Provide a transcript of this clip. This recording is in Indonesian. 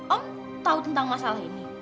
om tahu tentang masalah ini